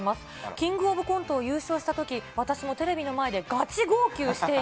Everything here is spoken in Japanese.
キングオブコントを優勝したとき、私もテレビの前でガチ号泣してい